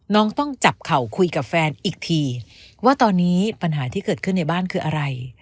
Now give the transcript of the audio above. ต้องจับเข่าคุยกับแฟนอีกทีว่าตอนนี้ปัญหาที่เกิดขึ้นในบ้านคืออะไร